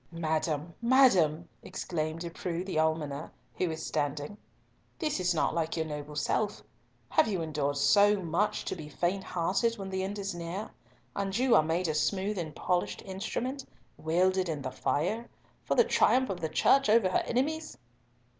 "Madam! madam!" exclaimed De Preaux the almoner, who was standing, "this is not like your noble self. Have you endured so much to be fainthearted when the end is near, and you are made a smooth and polished instrument, welded in the fire, for the triumph of the Church over her enemies?"